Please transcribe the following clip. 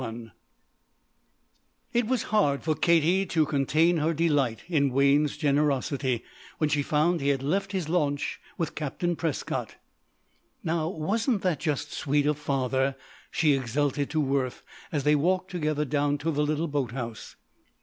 CHAPTER XLI It was hard for Katie to contain her delight in Wayne's generosity when she found he had left his launch with Captain Prescott. "Now wasn't that just sweet of father?" she exulted to Worth as they walked together down to the little boat house.